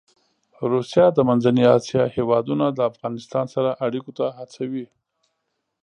روسیه د منځنۍ اسیا هېوادونه د افغانستان سره اړيکو ته هڅوي.